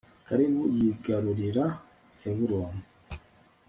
kalebu yigarurira heburoni